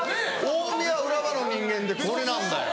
大宮浦和の人間ってこれなんだよ。